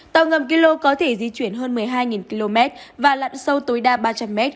tàu ngầm kilo có thể di chuyển hơn một mươi hai km và lặn sâu tối đa ba trăm linh m